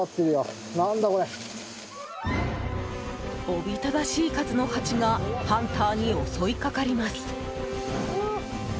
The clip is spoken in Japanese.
おびただしい数のハチがハンターに襲い掛かります。